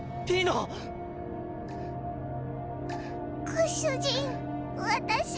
ご主人私。